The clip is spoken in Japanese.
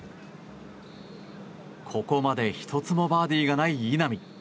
ここまで１つもバーディーがない、稲見。